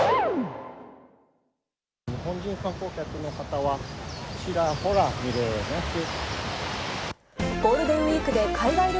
日本人観光客の方は、ちらほら見えます。